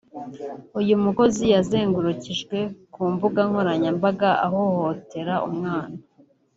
uyu mukozi yazengurukijwe ku mbuga nkoranyambaga ahohotera umwana